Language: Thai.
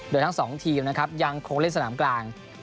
โดยทั้ง๒ทีมนะครับยังคงเล่นสนามกลาง